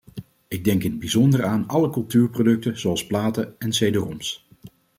Ik denk in het bijzonder aan alle cultuurproducten, zoals platen en de cd-roms.